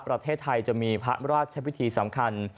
ประเทศไทยจะมีพระราชพิธีสำคัญ